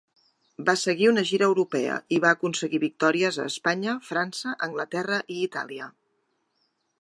Va seguir una gira europea, i va aconseguir victòries a Espanya, França, Anglaterra i Itàlia.